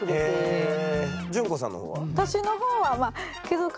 淳子さんの方は？